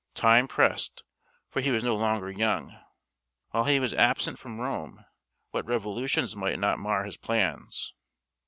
Time pressed, for he was no longer young. While he was absent from Rome, what revolutions might not mar his plans!